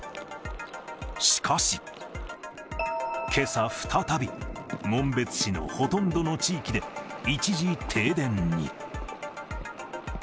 しかし、けさ再び、紋別市のほとんどの地域で一時停電に。